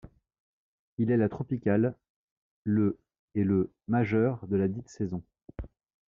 Il est la tropicale, le et le majeur de ladite saison.